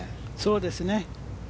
そうですね。